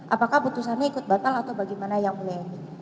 apakah keputusannya ikut batal atau bagaimana yang mulia eni